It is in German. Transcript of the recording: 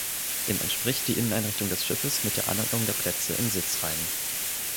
Dem entspricht die Inneneinrichtung des Schiffes mit der Anordnung der Plätze in Sitzreihen.